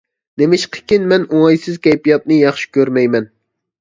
نېمىشقىكىن مەن ئوڭايسىز كەيپىياتنى ياخشى كۆرمەيمەن.